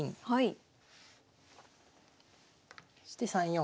はい。